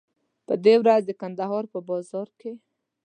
په دې ورځ د کندهار په بازار کې.